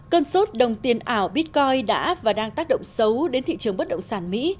cơn sốt đồng tiền ảo bitcoin đã và đang tác động xấu đến thị trường bất động sản mỹ